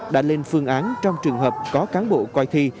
đã lên phương án trong trường hợp có cán bộ coi thi